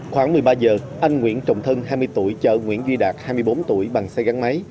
khoảng một mươi ba giờ anh nguyễn trọng thân hai mươi tuổi chợ nguyễn duy đạt hai mươi bốn tuổi bằng xe gắn máy